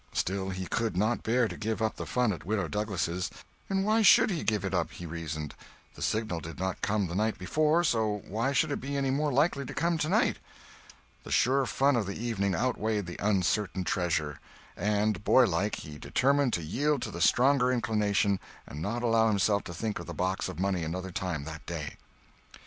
Still he could not bear to give up the fun at Widow Douglas'. And why should he give it up, he reasoned—the signal did not come the night before, so why should it be any more likely to come tonight? The sure fun of the evening outweighed the uncertain treasure; and, boy like, he determined to yield to the stronger inclination and not allow himself to think of the box of money another time that day.